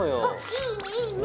いいねいいね。